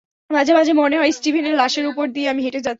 মাঝেমাঝে মনে হয় স্টিভেনের লাশের উপর দিয়ে আমি হেঁটে যাচ্ছি!